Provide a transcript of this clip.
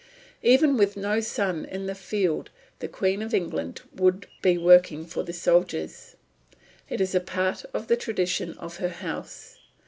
Even with no son in the field the Queen of England would be working for the soldiers. It is a part of the tradition of her house.